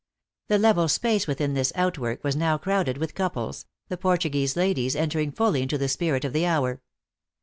The level space within this outwork was now crowd ed with couples, the Portuguese ladies entering fully into the spirit of the hour.